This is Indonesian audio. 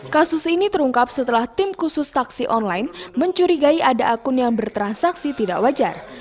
kasus ini terungkap setelah tim khusus taksi online mencurigai ada akun yang bertransaksi tidak wajar